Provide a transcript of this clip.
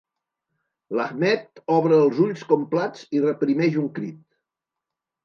L'Ahmed obre els ulls com plats i reprimeix un crit.